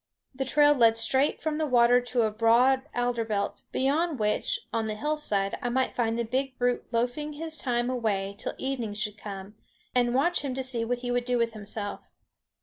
The trail led straight from the water to a broad alder belt, beyond which, on the hillside, I might find the big brute loafing his time away till evening should come, and watch him to see what he would do with himself.